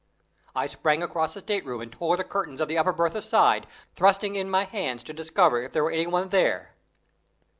I sprang across the state room, and tore the curtains of the upper berth aside, thrusting in my hands to discover if there were any one there.